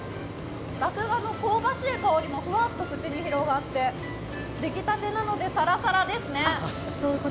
麦芽の香ばしい香りもふわっと口に広がって出来たてなので、さらさらですね。